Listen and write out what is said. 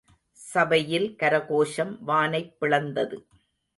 சபையில் கரகோஷம் வானைப் பிளந்தது.